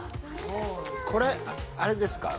これあれですか？